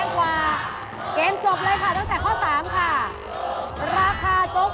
ฮ่าแพ้กว่าเกมจบเลยค่ะตั้งแต่ข้อ๓ค่ะราคาโจ๊กหมดหม้อ